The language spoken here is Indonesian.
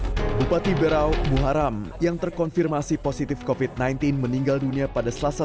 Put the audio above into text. hai bupati berau muharam yang terkonfirmasi positif covid sembilan belas meninggal dunia pada selasa